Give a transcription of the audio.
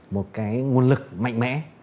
một nguồn lực mạnh mẽ